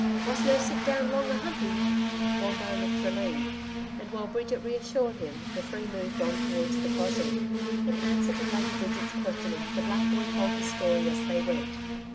'Boss no sit down long a Humpey?' Wombo looked relieved, and while Bridget reassured him, the three moved on towards the crossing. In answer to Lady Bridget's questioning the black boy told his story as they went.